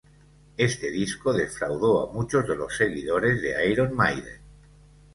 Este disco defraudó a muchos de los seguidores de Iron Maiden.